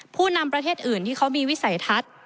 ผู้นำประเทศอื่นที่เขามีวิสัยทัศน์